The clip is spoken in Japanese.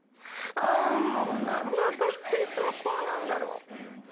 あもう何で私っていつもこうなんだろう？